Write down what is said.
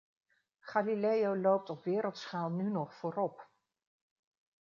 Galileo loopt op wereldschaal nu nog voorop.